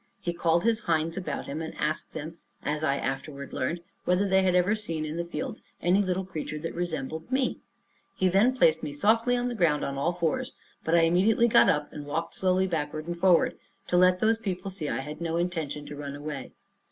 He called his hinds about him, and asked them, as I afterward learned, whether they had ever seen in the fields any little creature that resembled me? He then placed me softly on the ground on all fours, but I immediately got up, and walked slowly backward and forward, to let those people see I had no intent to run away.